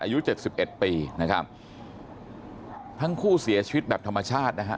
อายุเจ็ดสิบเอ็ดปีนะครับทั้งคู่เสียชีวิตแบบธรรมชาตินะฮะ